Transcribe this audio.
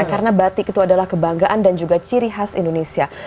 karena batik itu adalah kebanggaan dan juga ciri khas indonesia